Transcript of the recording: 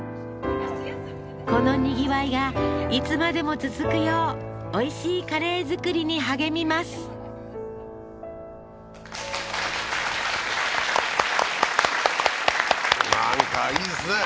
このにぎわいがいつまでも続くようおいしいカレー作りに励みますなんかいいですね